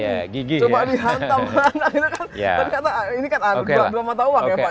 coba dihantam hantam ini kan dua mata uang ya pak ya